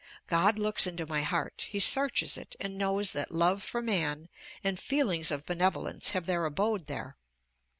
God looks into my heart, he searches it, and knows that love for man and feelings of benevolence have their abode there!